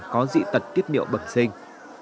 có dị tật tiết niệu bẩn sinh